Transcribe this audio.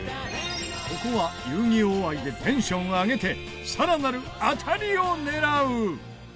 ここは『遊戯王』愛でテンション上げてさらなる当たりを狙う！